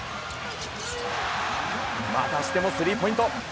またしてもスリーポイント。